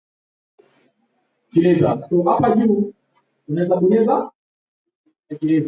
nyumba salama aliongeza akisema kwamba ripoti hizo zinahitaji kuchunguzwa na wale wenye hatia wawajibishwe